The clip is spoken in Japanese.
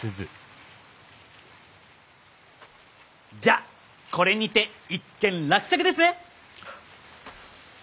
じゃあこれにて一件落着ですね！